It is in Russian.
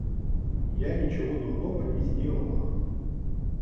Я ничего дурного не сделала.